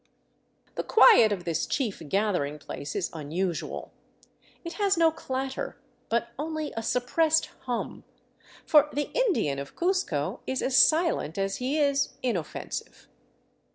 The quiet of this chief gathering place is unusual. It has no clatter, but only a suppressed hum ; for the Indian of Cuzco is as silent as he is inoffensive.